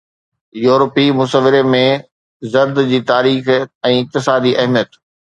يورپي مصوري ۾ زرد جي تاريخي ۽ اقتصادي اهميت